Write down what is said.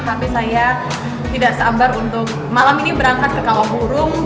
tapi saya tidak sabar untuk malam ini berangkat ke kawah burung